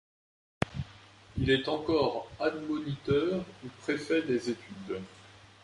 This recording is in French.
Il est encore admoniteur ou préfet des études.